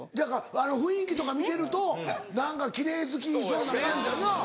あの雰囲気とか見てるとキレイ好きそうな感じやなぁ？